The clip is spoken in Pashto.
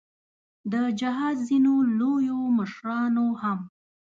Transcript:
د جهاد ځینو لویو مشرانو هم.